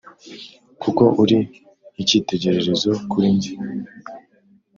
kuko uri ikitegererezo kuri nge